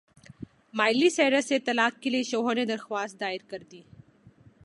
Miley Cyrus سے طلاق کے لیے شوہر نے درخواست دائر کردی